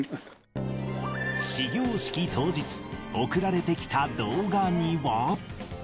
始業式当日、送られてきた動画には。